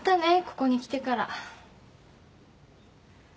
ここに来てから。